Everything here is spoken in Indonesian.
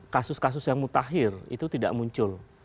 kasus kasus yang mutakhir itu tidak muncul